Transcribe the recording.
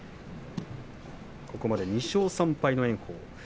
ここまで２勝３敗の炎鵬。